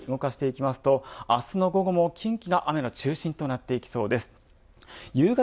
さらに動かしていきますと明日の午後も近畿の雨が中心となってきそうです。